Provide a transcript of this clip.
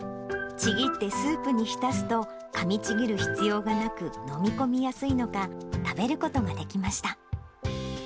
ちぎってスープに浸すと、かみちぎる必要がなく、飲み込みやすいのか、食べることができました。